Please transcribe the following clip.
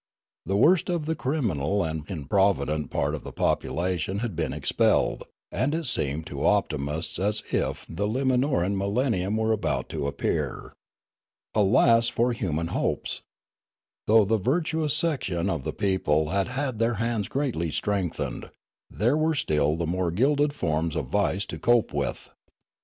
The worst of the criminal and improvident part of the population had been expelled ; and it seemed to optimists as if the Limanorau millennium were about to appear. Alas for human hopes ! Though the virtuous section of the people had had their hands greatly strengthened, there were still tbe more gilded forms of vice to cope with.